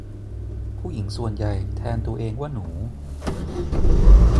ผู้หญิงส่วนใหญ่แทนตัวเองว่าหนู